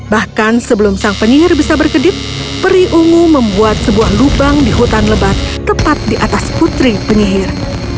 bahkan sebelum sang penyihir bisa berkedip peri ungu membuat sebuah lubang di hutan lebat tepat di atas putri penyihir